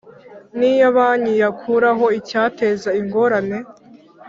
N Iyo Banki Yakuraho Icyateza Ingorane